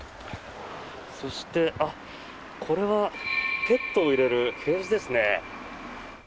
そして、これはペットを入れるケージですね。